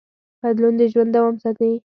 بدلون د ژوند دوام ساتي.